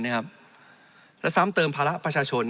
และซ้ำเติมภาระประชาชน